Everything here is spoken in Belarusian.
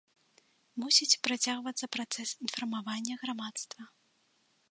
Мусіць працягвацца працэс інфармавання грамадства.